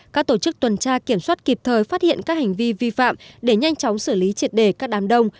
các tổ chức tuần tra kiểm soát kịp thời phát hiện các hành vi vi phạm để nhanh chóng xử lý triệt đề các đám đông